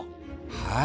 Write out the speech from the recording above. はい。